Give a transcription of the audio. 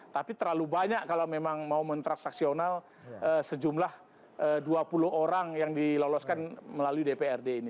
tapi terlalu banyak kalau memang mau mentransaksional sejumlah dua puluh orang yang diloloskan melalui dprd ini